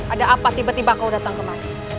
ada apa tiba tiba kau datang kemana